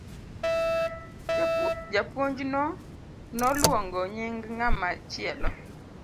Japuonj no luongo nying ngama chielo.